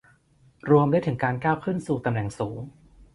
รวมได้ถึงการก้าวขึ้นสู่ตำแหน่งสูง